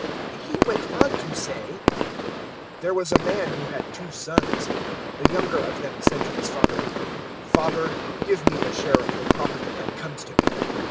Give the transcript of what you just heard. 015:011 He went on to say, "There was a man who had two sons. 015:012 The younger of them said to his father, "`Father, give me the share of the property that comes to me.'